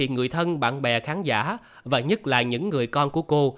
người thân bạn bè khán giả và nhất là những người con của cô